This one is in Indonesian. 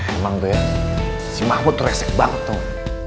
emang tuh ya si mahmud resek banget tuh